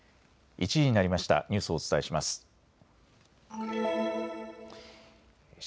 １時になりました。